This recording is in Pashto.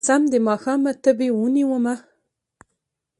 سم د ماښامه تبې ونيومه